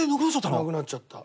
なくなっちゃった。